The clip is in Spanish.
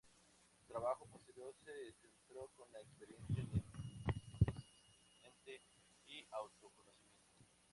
Su trabajo posterior se centró en la experiencia del consciente y autoconocimiento.